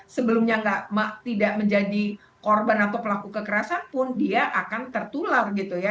sebelumnya tidak menjadi korban atau pelaku kekerasan pun dia akan tertular gitu ya